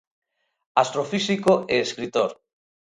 Astrofísico e escritor.